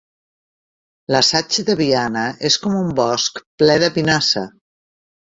L'assaig de Viana és com un bosc ple de pinassa.